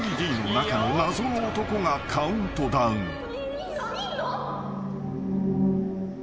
［ＤＶＤの中の謎の男がカウントダウン］